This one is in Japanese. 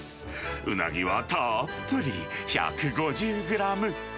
ウナギはたっぷり１５０グラム。